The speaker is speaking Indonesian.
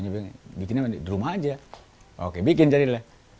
bikin apa nih di rumah aja oke bikin jadilah